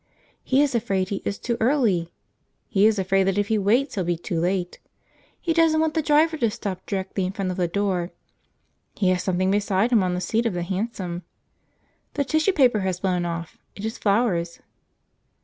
"He is afraid he is too early!" "He is afraid that if he waits he'll be too late!" "He doesn't want the driver to stop directly in front of the door." "He has something beside him on the seat of the hansom." "The tissue paper has blown off: it is flowers."